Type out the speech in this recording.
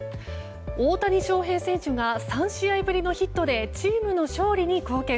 大谷翔平選手が３試合ぶりのヒットでチームの勝利に貢献。